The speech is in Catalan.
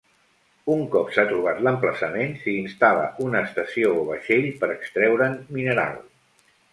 Un cop s'ha trobat l'emplaçament, s'hi instal·la una estació o vaixell per extreure'n mineral.